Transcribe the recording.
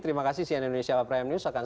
terima kasih cnn indonesia prime news akan